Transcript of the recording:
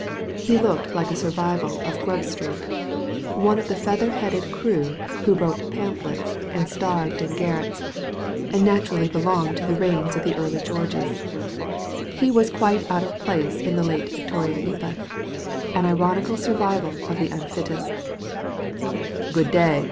He looked like a survival of Grub Street ; one of the feather headed crew who wrote pamphlets and starved in garrets, Digitized by Google 164 THE LADY FROM NOWHERE and naturally belong to the reigns of the early Georges. He was quite out of place in the late Victorian epoch — an ironical survival of the unfittest "Good day!"